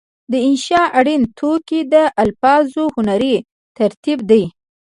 د انشأ اړین توکي د الفاظو هنري ترتیب دی.